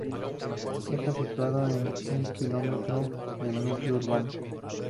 Está situado a un kilómetro del núcleo urbano.